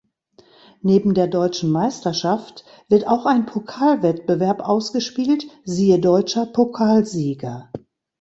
Neben der deutschen Meisterschaft wird auch ein Pokalwettbewerb ausgespielt, siehe Deutscher Pokalsieger.